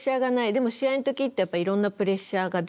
でも試合の時ってやっぱりいろんなプレッシャーが出てくる。